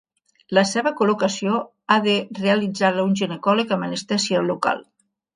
La seva col·locació ha de realitzar-la un ginecòleg amb anestèsia local.